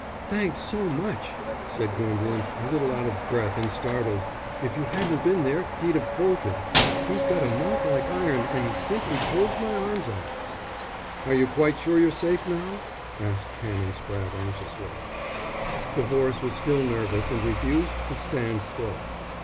"Thanks, so much," said Gwendolen, a little out of breath and startled. "If you hadn't been there he'd have bolted. He's got a mouth like iron and he simply pulls my arms out." "Are you quite sure you're safe now?" asked Canon Spratte, anxiously. The horse was still nervous and refused to stand still.